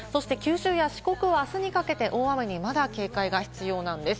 そして九州や四国はあすにかけて大雨にまだ警戒が必要なんです。